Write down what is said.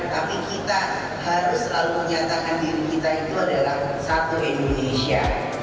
tapi kita harus selalu menyatakan diri kita itu adalah satu indonesia